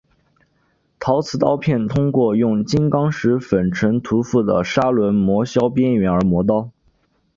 陶瓷刀片通过用金刚石粉尘涂覆的砂轮磨削边缘而磨刀。